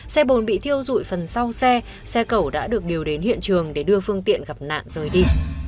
xe bồn bị thiêu dụi phần sau xe xe cẩu đã được điều đến hiện trường để đưa phương tiện gặp nạn rơi đi